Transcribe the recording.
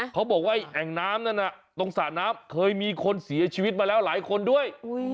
เขาบอกว่าแอ่งน้ำนั้นตรงสระน้ำเคยมีคนเสียชีวิตมาแล้วหลายคนด้วย